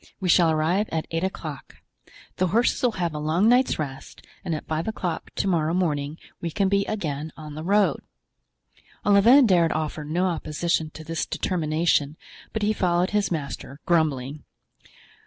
We shall arrive at eight o'clock. The horses will have a long night's rest, and at five o'clock to morrow morning we can be again on the road." Olivain dared offer no opposition to this determination but he followed his master, grumbling.